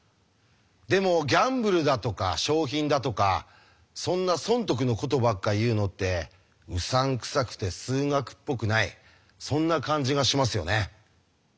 でもギャンブルだとか賞品だとかそんな損得のことばっか言うのってうさんくさくて数学っぽくないそんな感じがしますよね。